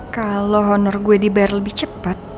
kalau honor gue dibayar lebih cepat